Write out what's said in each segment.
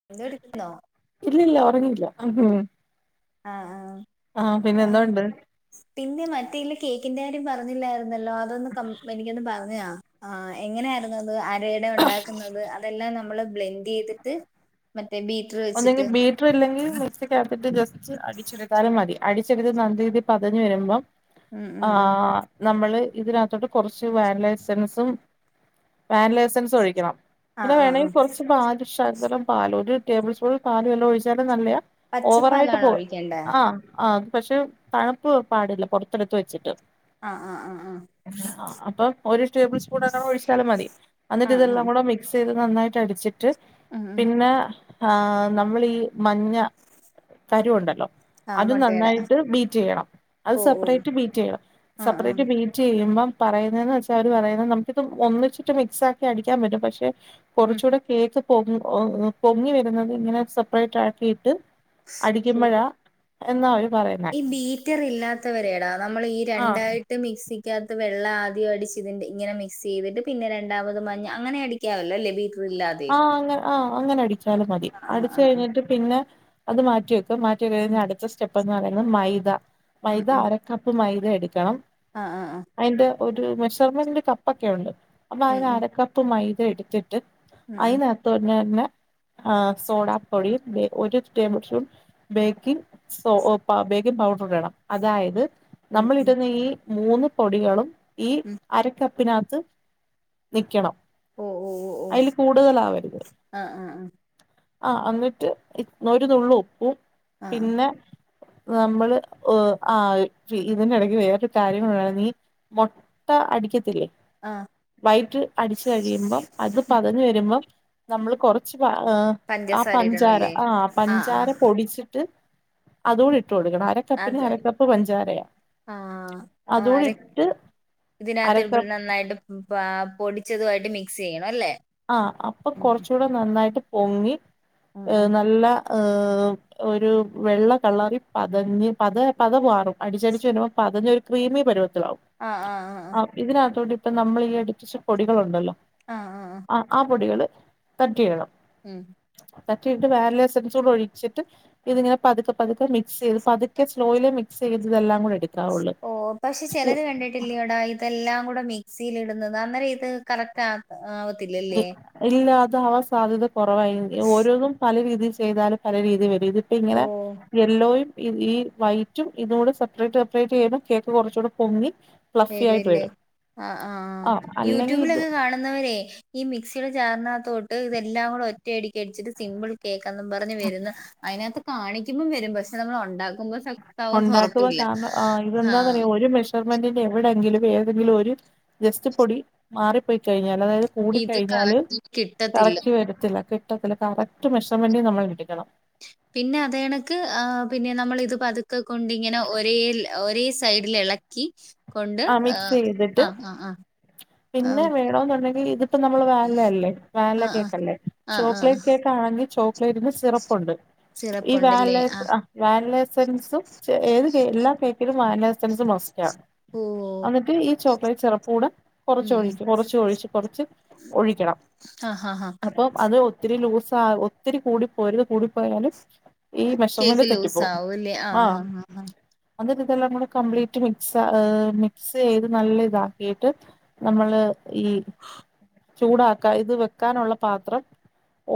[unintelligible] ഇല്ല ല്ല ഒറങ്ങില്ല ആഹ ഹ ആ എന്തോണ്ട് പിന്നെ മറ്റേല് കേക്കിന്റെ കാര്യം പറഞ്ഞില്ലായിരുന്നല്ലോ അതൊന്ന് ക എനിക്കൊന്ന് പർഞാ ആ എങ്ങനെയായിരുന്നു അത് പേട ഒണ്ടാക്കുന്നത് അതെല്ലാം നമ്മള് ബ്ലെൻഡെയ്ത്ട്ട് മറ്റേ ബീറ്റർ വെച്ചിട്ട് റ്റർല്ലെങ്കി മിക്സിടാത്ത്ട്ട് ജസ്റ്റ് അടിച്ചെടുത്താലും മതി അടിച്ചെടുത്ത് നല്ല രീതി പതഞ്ഞ് വെരുമ്പോ ഉം ആ ഉം ഉം നമ്മള് ഇതിനകത്തോട്ട് കൊർച്ച് വാൻലസെൻസും വാൻലാസ് ൻസ് ഒഴിക്കണം ആഹ് പിന്നെ ആഹ് വേണെങ്കി ആഹ് കൊർച്ച് പാലും ഷകലം പാലും ഒര് ടേബിൾ സ്പൂൺ പാല് വല്ലോം ഒഴിച്ചാലും നല്ല്യ ഓവറായിട്ട് പച്ചപ്പാലാണോ പോ ഒഴിക്കേണ്ടേ ആ ആ അത് പക്ഷെ തണുപ്പ് പാടില്ല പൊർത്ത്ട്ത്ത് വെച്ചിട്ട് ആ ആ ആ ആ അപ്പൊ ഒരു ടേബിൾ സ്പൂൺ അങ്ങനെ ഒഴിച്ചാലും മതി അന്ന്ട്ട് ആഹ് ആഹ് ഇതെല്ലാം ആഹ് കൂടെ മി ക്സെയ്ത് നന്നായിട്ട് അടിച്ചിട്ട് ഉം ഉം പിന്നെ ആ നമ്മളീ മഞ്ഞ തരുവൊണ്ടല്ലോ ആഹ് അത് മുട്ടയുടെ നന്നായിട്ട് ബീറ്റെയ്യണം അത് ഓ ഓ സെപ്പറേറ്റ് ബീറ്റെയ്യണം ആഹ് സെപ്പറേറ്റ് ആഹ് ബീറ്റ് റ്റെയ്യുമ്പം പറയ്ന്നെന്ന് വെച്ചാ അവര് പറയുന്നത് നമുക്കിത് ഒന്നിച്ചിട്ട് മിക്സാക്കി അടിക്കാൻ പറ്റും പക്ഷെ ഉം കുറച്ചൂടെ കേക്ക് പൊ പൊങ്ങി വരുന്നത് ഇങ്ങനെ സെപ്പറേറ്റ് ആക്കിയിട്ട്. ഓ അടികുമ്പഴ എന്ന അവര് [unintelligible] ഈ ബീറ്റർ ഇല്ലാത്തവരെടാ നമ്മൾ ഈ ആഹ് രണ്ടായി [unintelligible] [unintelligible] മിക്സികാത്ത് വെള്ളവാദ്യം അടിച്ച് ഇങ്ങനെ മിക്സ്‌ ചെയ്തിട്ട് പിന്നെ രണ്ടാമത് മഞ്ഞാ [unintelligible] [unintelligible] ബീറ്റർ ഇല്ലാതേം ആ അങ്ങനെ ആ അങ്ങനെ അടിച്ചാലും മതി അടിച്ച് ആഹ് കഴിഞ്ഞിട്ട് പിന്നെ അത് മാറ്റി [unintelligible] [unintelligible] അടുത്ത സ്റ്റെപ്പ് എന്ന് പറയുന്നത് മൈദ മൈദ അരക്കപ്പ് മൈദ എടുക്കണം. ആ ആ ആ അതിന്റെ ഒരു മെഷർമെന്റ് കപ്പ ഒക്കെ ഉണ്ട് അപ്പൊ ഉം അതിന് ഉം അരക്കപ്പ് മൈദ എടുത്തിട്ട്. ഉം ഉം [unintelligible] തന്നെ ആ സോഡാ പൊടി ഒരു ടേബിൾ സ്പൂൺ. ബേക്കിംഗ് സോ ഒ പ ബേക്കിംഗ് പൗഡർ വേണം. അതായത് ഉം നമ്മൾ ഉം ഇടുന്ന ഈ മൂന്ന് പൊടികളും ഈ ഉം അര [unintelligible] പ്പിന്നെ അകത്ത് നിൽക്കണം ഓ ഓ ഓ ഓ കൂടുതലാവരുത് ആഹ് ആഹ് ആ എന്നിട്ട് ഒരു നുള്ളു ഉപ്പും. ആഹ് പിന്നെ നമ്മള് ഒ ആ ഇതിനി ഇടയ്ക്ക് വേറൊരു കാര്യം [unintelligible] മൊട്ട അടിക്കത്തില്ലേ. ആ വൈറ്റ് അടിച്ചു കഴിയുമ്പം അത് പതഞ് വരുമ്പം നമ്മൾ കുറച്ച് [unintelligible] ആ പഞ്ചസാര പഞ്ചാര ഇടണല്ലേ ആ ആഹ് പഞ്ചാര ആഹ് പൊടിച്ചിട്ട് അതോടി ഇട്ട് കൊടുക്കണം അര [unintelligible] കപ്പിന് അത് അരകപ്പ് പഞ്ചാരയ ആഹ് ആരെ അതോടിട്ട് ഇതിനകത്ത് [unintelligible] നന്നായിട്ട് ആ പൊടിച്ചതുമായിട്ട് മിക്സ് ചെയ്യണം അല്ലേ. ആ അപ്പൊ ഉം കുറച്ചുകൂടെ നന്നായിട്ട് പൊങ്ങി എ ആഹ് നല്ല ഏ ഒരു വെള്ള കളറി പതഞ്ഞ് പത പത മാറും അടിച്ചടിച്ച് വരുമ്പോ പതഞ് ഒരു ക്രീമി പരുവത്തിലാവും. ആ ആ ആ ആ ആ ഇതിനകത്തോടി ഇപ്പം നമ്മൾ ഈ അടിച്ച പൊടികളുണ്ടല്ലോ. ആ ആ ആ ആ ആ പൊടികള് തട്ടി ഇടണം ഉം തട്ടിയിട്ട് വാനില എസ്സെൻസ് കൂടെ ഒഴിച്ചിട്ട്. ഇതിങ്ങനെ പതുക്കെ പതുക്കെ മിക്സ് ചെയ്ത് പതുക്കെ സ്ലോലി മിക്സ് ചെയ്ത് ഇതെല്ലാം കൂടെ [unintelligible] ഓ പക്ഷെ ചിലത് കണ്ടിട്ടില്ലോടാ [unintelligible] [unintelligible] കൂടെ മിക്സിൽ ഇടുന്നത് അന്നേരം ഇത് [unintelligible] ഇല്ലാ അതാവാൻ സാധ്യത കുറവായി ഓരോന്നും പല രീതിയിൽ [unintelligible] പല രീതി വരും ഇതി ഇപ്പൊ ഇങ്ങനെ ഓഹ് യെല്ലോയും ഈ വൈറ്റും ഇതൂടെ സെപ്പറേറ്റ് സെപ്പറേറ്റ് ചെയ്താ കേക്ക് കുറച്ചൂടെ പൊങ്ങി ഫ്ലഫി ആയിട്ട് വരുവല്ലേ വരും ആ ആ ആ അല്ലെങ്കിൽ ഇത് യൂട്യൂബിലൊക്കെ കാണുന്നവരെ ഈ മിക്സുടെ ജാറിനകത്തോട്ട് ഇതെല്ലാം കൂടെ ഒറ്റയടിക്ക് അടിച്ചിട്ട് സിമ്പിൾ കേക്കാന്നും പറഞ്ഞു [unintelligible] അതിനകത്ത് കാണിക്കുമ്പോം വരും പക്ഷെ നമ്മൾ ഉണ്ടാക്കുമ്പോ [unintelligible] ഉണ്ടാക്കുക ഉറപ്പില്ല കാരണം ആ ആഹ് ഇതെന്താന്നറിയോ ഒരു [unintelligible] [unintelligible] എവിടെങ്കിലും ഏതെങ്കിലും ഒരു ജസ്റ്റ് പൊടി മാറിപ്പോയി കഴിഞ്ഞാൽ അതായത് ഇത് കൂടിക്കഴിഞ്ഞാല് കറക്റ്റ് കിട്ടത്തില്ല കറക്റ്റ് വരത്തില്ല. [unintelligible] കറക്റ്റ് മെഷർമെന്റി നമ്മൾ എടുക്കണം പിന്നെ അദേ കണക്ക് ആ പിന്നെ നമ്മൾ ഇത് പതുക്കെ കൊണ്ട് ഇങ്ങനെ ഒരേ [unintelligible] [unintelligible] ഇളക്കി കൊണ്ട് ആ മിക്സ് ഉം ചെയ്തിട്ട് ആ ആ ആ പിന്നെ വേണൊന്നുണ്ടെങ്കിൽ ഇത്പ്പോ നമ്മള് വാനിലയല്ലേ വാനില ആഹ് ആഹ് കേക്കല്ലേ. ആഹ് ആഹ് ചോക്ലേറ്റ് കേക്കാണെങ്കിൽ ചോക്ലേറ്റിന്റെ സിറപ്പുണ്ട്. ഈ സിറപ്പുണ്ടല്ലേ വാനില ആഹ് [unintelligible] വാനില എസൻസും. [unintelligible] ഏത് [unintelligible] എല്ലാ കേകിലും വാനില എസ്സെൻസ് മാസ്റ്റാ. ഓഹ് അന്നിട്ട് ഈ ചോക്ലറ്റ് സെറപ് കൂടെ ഉം കൊറച്ച് ഉം ഒഴിക്ക് കുറച്ച്ഒഴിച്ച്കൊറച്ച് ഒഴിക്കണം ആഹ് ആഹ് അപ്പം അത് ഒത്തിരി ലൂസാ ഒത്തിരി കൂടി പൊരു കൂടിപ്പോയാലും ഈ മെസര്മെന്റ് കേക്ക് ലൂസ് തെറ്റിപ്പോവും ആവുംല്ലേ ആ ആഹ് ആഹ് ആഹ് ആഹ് അത് ഇതെല്ലാം കൂടെ കംപ്ലീറ്റ് മിക്സമിക്സ്യ്ത് നല്ല ഇതാക്കിയിട്ട് നമ്മള് ഈ ചൂടാക്കാ ഇത് വെക്കാനുള്ള പാത്രം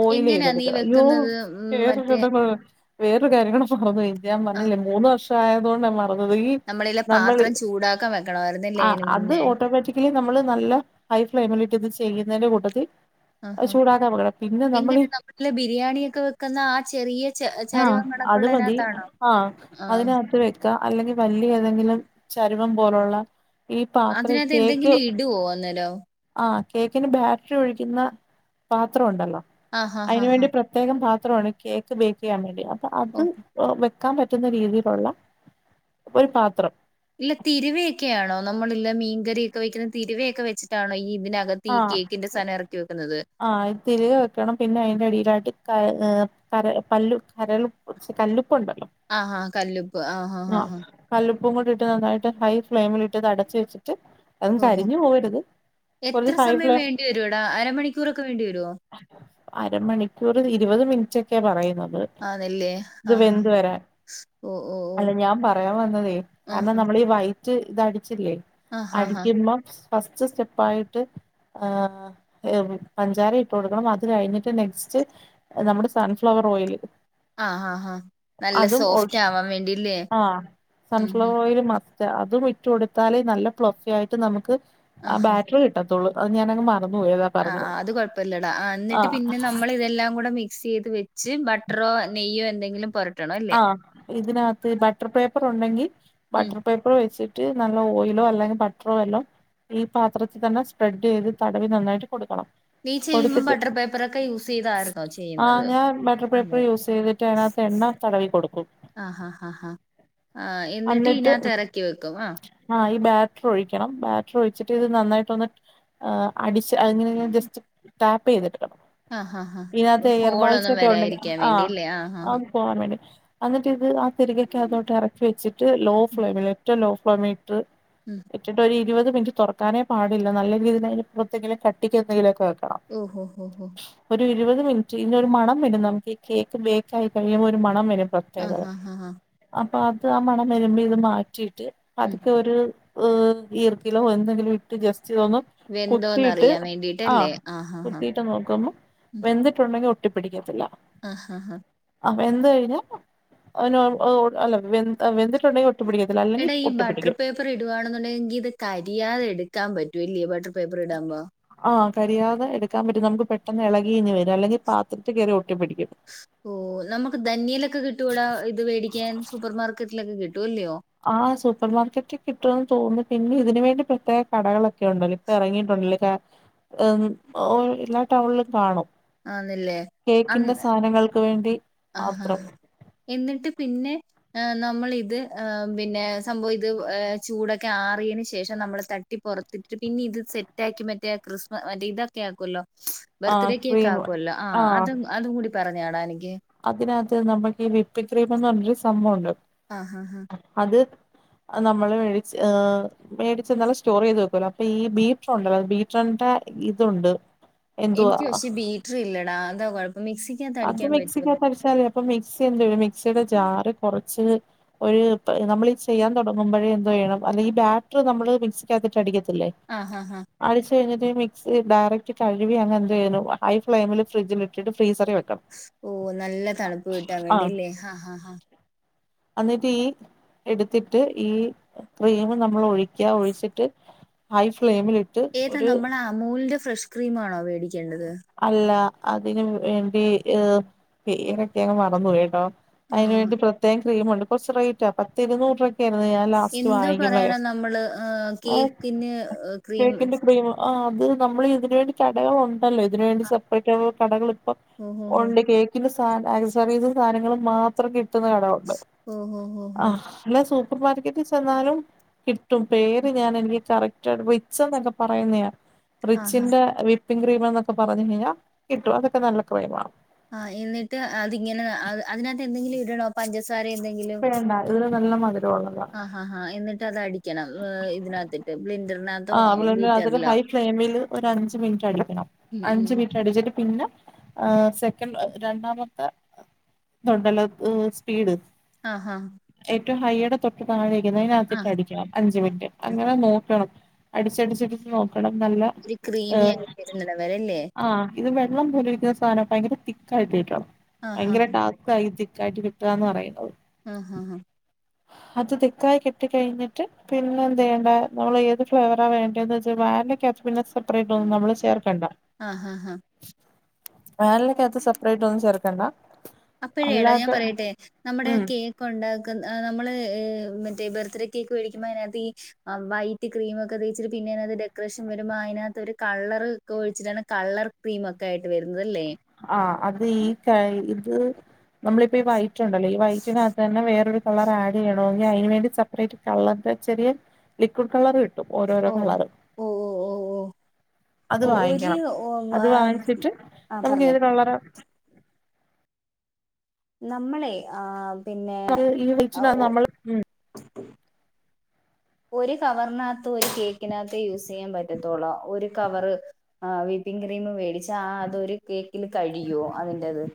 ഓയി ല് എങ്ങനെയാ നീ യ്തെട്ക്ക യോ വെക്കുന്നത് ഉം മറ്റേ [unintelligible] വേറൊരു കാര്യം കടെ മറന്നു പൊയ് ഇത് ഞൻ ആഹ് പറഞ്ഞില്ലേ മൂന്ന് വർഷ ആയതോ ണ്ട് മറന്നുപോയിഈ നമ്മളിലെ നമ്മളി പാത്രം ചൂടാക്കാൻ വെക്കണമായിരുന്നല്ലേ ആ അയിന് അത് മുന്നേ ഓട്ടോമേറ്റിക്ക് തീ നമ്മള് നല്ല ഹൈ ഫ്ലെയ് മിലിട്ട് ഇത് ചെയ്യ് ന്നതിന്റെ കൂട്ടത്തിൽ ആഹ് ആഹ് ചൂടാക്കാൻ വെക്കണം പിന്നെ എങ്ങനെ നമ്മള് ബിരിയാണി ഒക്കെ വെക്കുന്ന ആ ചെറിയ ച ആ ചരുവം അത് മതി കണക്കുള്ളതിനകത്താണോ ആ ആഹ് അതിനകത്ത് വെ കഅല്ലെങ്കിവലിയ ഏതെങ്കിലും ചരുവം പോലുള്ള ഈ പാത്ര അതിനകത്ത് കേക്ക് എന്തെങ്കിലും ഇടുവോ അന്നേരം ആ കേക്കിന് ബാറ്റ്റി ഒഴിക്കുന്ന പാത്രം ഉണ്ടല്ലോ ആഹ് ആഹ് അയി ന് ആഹ് വേണ്ടി ആഹ് പ്രത്യേക പാത്രണ് കേക്ക് ബേക്ക് ചെയ്യാൻ വേണ്ടി അപ്പൊ അത് ഓഹ് വെക്കാൻ പറ്റുന്ന രീതിലുള്ള ഒരു പാത്രം ഇല്ല തിരുവയൊക്കെയാണോ നമ്മളല്ല മീൻകറിയൊക്കെ വെക്കുന്ന തിരുവയൊക്കെ വെച്ചിട്ടാണോ ഈ ഇതിനകത്ത് തീ കേക്കിന്റെ സാനംഇറക്കി വെക്കുന്നത് ആഹ്ത്തിരികെ വെക്കണം പിന്നെ അതിന്റെടിയിലായിട്ട് ക - കര പല്ലു കരളുംകൊച്ച് കല്ലുപ്പ് ണ്ടല്ലോ ആഹ ആ കല്ലുപ്പ് ആ ഹ ആആ ആ കല്ലുപ്പും കൂടി ഇട്ട് നന്നായിട്ട് ഹൈ ഫ്ലെമില് ട്ട് അടച്ച് വെച്ചിട്ട് അതും ഓഹോ കരിഞ്ഞ് പോവരുത് എത്ര കുറച്ച് ഹൈ സമയം ഫ്ലെയിം വേണ്ടിവരോടാ അരമണിക്കൂറൊക്കെ വേണ്ടി വരോ അരമണിക്കൂർ ഇരുവത് മിൻ റ്റൊക്കെ പറയുന്നത് ആ നല്ലേ ഇത് ആഹ് ആഹ വെന്ത് വരാൻ ഓ ഓ അല്ല ഞാൻ പറയാൻ വന്നതേ കാരണം ആഹ് നമ്മളീ ഈ വൈ ഇതടിച്ചില്ലേ ആഹ് ആഹ് ആഹ് അടിക്കുമ്പോ ഫസ്റ്റ് സ്റ്റെപ്പായിട്ട്.. ഏ പഞ്ചാര ഇട്ട് കൊടുക്കണം അത് കഴിഞ്ഞിട്ട് നെക്സ്റ്റ് നമ്മുടെ സൺഫ്ലവർ ഓയില് ആഹ് ആഹ് ആഹ് നല്ല അതും സോഫ്റ്റ് ഒഴിച്ച് ആവാൻ വേണ്ടില്ലേ ആഹ ഉം ഉം സൺഫ്ലവർ ഓയില് മാത്രം അതും ഇട്ട് കൊടുത്താലേ നല്ല പ്ലഫീ ആയിട്ട് നമുക്ക് ആ ആഹ് ബാറ്ററി കിട്ടും കിട്ടത്തൊള്ളൂ അത് ഞാനങ് മറന്ന് പോയി അതാ ആ് അത് കുഴപ്പമില്ലടാ എന്നിട്ട് പിന്നെ നമ്മൾ ഇതെല്ലാം കൂടെമി മിക്സ് ചെയ്ത് വെച്ച് ബട്ടറോ നെയ്യോ എന്തെങ്കിലും പോര ആ ഇതിനകത്ത് ബട്ടർ പേപ്പർ ഉണ്ടെങ്കിൽ ഉം ബട്ടർ പേപ്പർ [unintelligible] വെച്ചിട്ട് നല്ല ഓയിലോ അല്ലെങ്കിൽ ബട്ടറോ വല്ലോം ഈ പാത്രത്തിൽ തന്നെ സ്പ്രെഡ് ചെയ്ത് തടവി നന്നായിട്ട് കൊടുക്കണം നീ ചെയ്യുമ്പോ കൊടുത്തിട്ട് ബട്ടർ പേപ്പറൊക്കെ യൂസ് ചെയ്തായിരുന്നോ ആഹ ചെയ്യുന്നത് ഞാൻ ബട്ടർ പേപ്പർ അതെ. യൂസ് ചെയ്തിട്ട് തിനകത്ത് എണ്ണ തടവി കൊടുക്കും ആ ഹാ ഹാ ഹാ ആ എന്നിട്ട് ഇതിനകത്ത് ഇറക്കി വെക്കും ആ ആഹ ഈ ബാറ്ററി ഒഴിക്കണം ബാറ്ററി ഒഴിച്ചിട്ട് ഇത് നന്നായിട്ടൊന്ന് അടിച്ച് അങ്ങനെ ജസ്റ്റ് ടാപ്പ് ചെയ്തെടുക്കണം ആഹ് ആഹ് ഇതിനകത്തെ ആഹ് എയർബാൾസ് ഹോളൊന്നും ഒക്കെ ഉണ്ടെങ്ക വരാതിരിക്കാൻ വേണ്ടില്ലേ ആഹ് പോകാൻ വേണ്ടി എന്നിട്ട് ഇത് ആ തിരികൊക്കെ അതോട്ട് ഇറക്കി വെച്ചിട്ട് ലോ ഫ്ലെയിമിൽ ലോ ഫ്ലോമീറ്റർ ഉം വെച്ചിട്ട് ഒരു ഇരുപത് മിനിറ്റ് തുറക്കാനേ പാടില്ല നല്ല രീതില് പുറത്തെങ്കിലും കട്ടിക്കക്ക് എന്തെങ്കിലൊക്കെ വെക്കണം ഓഹോ ഓ ഹ ഒരു ഇരുപത് മിനിറ്റ് ഇന്ന ഒരു മണം വരും നമുക്ക് ഈ കേക്ക് ബേക്ക് ആയി കഴിയുമ്പോ ഒരു മണം വരും പ്രത്യേകത ആഹ് ആഹ് ആഹ് ആഹ് അപ്പൊ അത് ആഹ് മണം വരുമ്പ ഇത് മാറ്റിയിട്ട് ഉം പതുക്കെ ഒരു ഹ് ഈർക്കിലോ എന്തെങ്കിലും ഇട്ട് ജസ്റ്റ് തോന്നോ വെന്തോന്ന് അറിയാൻ വേണ്ടിട്ടല്ലേ ആഹ് ആഹ് ആഹ് എട്ട് നോക്കുമ്പോ വെന്തിട്ടുണ്ടെങ്കിൽ ഒട്ടിപ്പിടിക്കത്തില്ല ആഹ് ഹാ അഹ് വെന്ത് കഴിഞ്ഞ അല്ല വെന്തിട്ടുണ്ടെങ്ക ഒട്ടി പിടിക്കല്ല അ എടാ ഈ ബാട്ടർ പേപ്പർ പേപ്പർ ഇടുകവാണെന്നുണ്ടെങ്കിൽ ഇത് കരിയാതെടുക്കാൻ പറ്റുവല്ലേ ബട്ടർ പേപ്പർ ഇടുബോ ആഹ് കരിയാതെ എടുക്കാൻ പറ്റും നമുക്ക് പെട്ടെന്ന് ഇളകി ഇങ്ങ് വരും അല്ലെങ്കിൽ പാത്രത്തി കയറി ഒട്ടി പിടിക്കും ഓ നമുക്ക് ധന്യലൊക്കെ കിട്ടൂടാ ഇത് വേടിക്കാൻ സൂപ്പർ മാർക്കറ്റിലൊക്കെ കിട്ടുവല്ലയോ ആഹ് സൂപ്പർ മാർക്കറ്റ് കിട്ടുമന്ന് തോന്നുന്നു പിന്നെ ഇതിന് വേണ്ടി പ്രത്യേക കടകളൊക്കെ ഉണ്ടല്ലോ ഇറങ്ങിയിട്ടുണ്ടല്ലോ എം ഓ എല്ലാ ടൗണിലും കാണും ആന്നല്ലേ കേക്കിൻ്റെ സാധനങ്ങൾക്ക് വേണ്ടി ആഹാ മാത്രം എന്നിട്ട് പിന്നെ നമ്മളിത് പിന്നെ സംഭവം ഇത് ചൂടെ ആറിയതിനന് ശേഷം നമ്മൾ തട്ടി പുറത്തിട്ട് പിന്നെ ഇത് സെറ്റാക്കി മറ്റേ ക്രിസ്മസ് മറ്റേ ഇതൊക്കെ കേക്കുമല്ലോ ആ ബർത്ത്ഡേ കേക്ക് ക്രീം ആക്കുമല്ലോ ആഹ് അതും അതും കൂടി പറഞ്ഞാടാ എനിക്ക് അതിനകത്ത് നമ്മൾക്ക് ഈ വിപ്പിക്രീംന്ന് പറഞ്ഞൊരു സംഭവുണ്ട് ആഹ് [unintelligible] അത് നമ്മള് മേടിച്ച് ഏ മേടച്ച് എന്നാലും സ്റ്റോർ ചെയ്ത് വെക്കല്ലോ അപ്പൊ ഈ ബീട്രണ്ടല്ലോ ബീട്രോന്റെ ഇതുണ്ട് എന്തുവാ എനിക്ക് പക്ഷേ ബീറ്റർ ഇല്ലടാ അതാ കൊഴപ്പം മിക്സിക്കാത്ത് അടിക്കാൻ പറ്റോ ല്ലേ അപ്പൊ മിക്സി എന്ത് മിക്സിയുടെ ജാറ് കുറച്ച് ഒരു നമ്മള് ചെയ്യാൻ തുടങ്ങുമ്പഴ എന്തോ ചെയ്യണം അല്ലെ ഈ ബാറ്റർ നമ്മള് മിക്സിക്കാത്തിട്ട് അടിക്കത്തില്ലേ ആഹ് ഹ ഹ അടിച്ച് കഴിഞ്ഞിട്ട് മിക്സി ഡയക്റ്റ് കഴുകി അങ്ങന എന്ത് ചെയ്യുന്നു ഹൈ ഫ്ലെയിമ ഫ്രിഡ്ജിലിട്ടിട്ട് ഫ്രീസറി വെക്കണം ഓ നല്ല തണുപ്പ് കിട്ടാൻ ആഹ് വേണ്ടില്ലേ ആഹ് ഹ ഹ എന്നിട്ട് ഈ എടുത്തിട്ട് ഈ ക്രീം നമ്മൾ ഒഴിക്ക ഒഴിച്ചിട്ട് ഹൈ ഫ്ലേമിലിട്ട് ഏതാ നമ്മള് അമൂലിന്റെ ഫ്രഷ് ക്രീംമാണോ മേടിക്കേണ്ടത് അല്ല അതിന് വേണ്ടി ഏഹ് പേരൊക്കെ അങ്ങ് മറന്ന് പോയിട്ടോ ആ അതിന് വേണ്ടി പ്രത്യേകം ക്രീമുണ്ട് കുറച്ച് റേറ്റാ പത്ത് ഇരുന്നൂറ് രൂപ ക്കേര്ന്ന് ഞാൻ ലാസ്റ്റ് എന്തോ വാങ്ങികുമ്പഴ് പറയണം നമ്മള് ആ, ഏഹ് കേക്കിന് ക്രീം കേക്കിന്റെ ക്രീമ് ആഹ് അത് നമ്മള് ഇതിന് വേണ്ടി കടകൾ ഉണ്ടല്ലോ ഇതിന് വേണ്ടി സെപ്പറേറ്റ് ആഹ് കടകൾ ഇപ്പൊ ഓഹോ ഹോ ഉണ്ട് കേക്കിന്റെ സാന അസസറീസ് സാധനങ്ങള് മാത്രം കിട് ട്ടുന്ന കട ഒണ്ട് ഓ ഹോ ഹോ ഹോ ആഹ് അല്ലേ സൂപ്പർ മാർക്കറ്റി ചെന്നാലും കിട്ടും പേര് ഞാൻ എനിക്ക് കറക്റ്റ് ആയിട്ട് റിച്ചെന്നൊക്കെ പറയുന്നയാ ആ ഹാ റിച്ചിന്റെ വിപ്പിംഗ് ക്രീം എന്നൊക്കെ പറഞ്ഞു കഴിഞ്ഞാ കിട്ടും അതൊക്കെ നല്ല ക്രീമാ ആഹ് എന്നിട്ട് അതിങ്ങനെ അത് അതിനകത്ത് എന്തെങ്കിലും ഇടണോ പഞ്ചസ് സരേ എന്തെങ്കിലും വേണ്ട ഇതിന് നല്ല മധുരമുള്ളതാ ആഹ് ആഹാ എന്നിട്ട് അതടിക്കണം ഇതിനാത്തിട്ട് ബ്ലിന്റെറിനകത്തോ ആഹ് അവള് അതൊരു ബീറ്ററിലോ ഹൈ ഫ്ലെയിമില് ഒര് അഞ്ച് മിനിറ്റ് അടിക്കണം ഉം ഉം അഞ്ച് ഉം. മിനിറ്റ് അടിച്ചിട്ട് പിന്ന ആഹ് സെക്കൻഡ് ആഹ് രണ്ടാമത്തെതുണ്ടല്ലോ ഏഹ് സ്പീഡ് ആഹ് ആഹ് ഏറ്റവും ഹൈയുടെ തൊട്ട് താഴേക്ക് ആ അതിനകത്തിട്ട് അടിക്കണം അഞ്ചു മിനിറ്റ് അങ്ങനെ നോക്കണം അടിച്ചടിച്ചിടിച്ച് നോക്കണം നല്ല ഒരു ക്രീമി ഏഹ് ആയി വരുന്നിടം വരെ അല്ലേ ആഹ് ഇത് വെള്ളം പോലെ ഇരിക്കുന്ന സാധനം ഭയങ്കര തിക്കായിട്ട് ഇരിക്കണം ആഹാ ഭയങ്കര ടാസ് സ്ക്കാ ഈ തിക്കായിട്ട് കിട്ടാന്ന് പറയുന്നത് ആഹ് ആഹ് ആഹ് അത് തിക്കായി കിട്ടി കഴിഞ്ഞിട്ട് പിന്നെ എന്ത് ചെയ്യേണ്ടെ നമ്മള് ഏത് ഫ്ലേവറാ വേണ്ടന്ന് വെച്ചാ വാനിലക്കാത്ത് പിന്നെ സെപ്പറേറ്റ് ഒന്നും നമ്മള് ചേർക്കണ്ട ആഹാ ഹാ വാനിലയ്ക്കാത്ത് സെപ്പറേറ്റ് ഒന്നും ചേർക്കണ്ട അപ്പോഴേ എടാ അല്ലാത്ത ഞാൻ പറയട്ടെ നമ്മുടെ ഉം കേക് ക്കൊണ്ടാക്കുന്ന ആഹ് നമ്മള്ഏഹ് മറ്റേ ബർത്ത്ഡേ കേക്ക് മേടിക്കുമ്പോ അതിനാത്ത് ഈ ആഹ് വൈറ്റ് ക്രീമൊക്കെ തേയ്ച്ചിട്ട് പിന്നെ അതിനകത്ത് ഡെക്കറേഷൻ വരുമ്പോ അതിനകത്ത് ഒരു കളറ് ഒക്കെ ഒഴിച്ചിട്ടാണ് കളർ ക്രീമൊക്ക ആയിട്ട് വരുന്നതല്ലേ ആഹ് അത് ഈ കൈ ഇത് നമ്മളിപ്പോ ഈ വൈറ്റുണ്ടല്ലോ ഈ വൈറ്റിനകത്ത് തന്നെ വേറൊരു കളറ് ആഡ് ചെയ്യണ് ണോങ്കി അയിന് വേണ്ടി സെപ്പറേറ്റ് കളർടെ ചെറിയ ലിക്വിഡ് കളർ കിട്ടും ഓരോരോ കളറ് ഓഹ് ഓഹ് ഓഹ് അത് ഓഹ് ഓഹ് ഒരു വാങ്ങിക്കണം വാ ആഹ് പറഞ്ഞോ കളറ് നമ്മളെ ആഹ് പിന്നെ ഈ ആഹ് വൈറ്റിനകത്ത് ഓ നമ്മള് ഒരു കവറിനത്ത് ഒരു കേക്കിനകത്തെ യൂസ് ചെയ്യാൻ പറ്റത്തുള്ളോ ഒരു കവറ് ആഹ് വിപ്പിങ് ക്രീംമ് മേടിച്ച ആഹ് അതൊരു കേക്കില് കഴിയോ അതിന്റത്